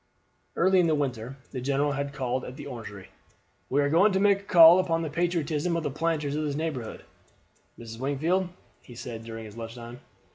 Early in the winter the general had called at the Orangery. "We are going to make a call upon the patriotism of the planters of this neighborhood, Mrs. Wingfield," he said during lunch time.